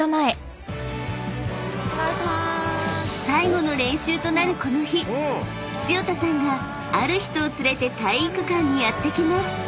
［最後の練習となるこの日潮田さんがある人を連れて体育館にやって来ます］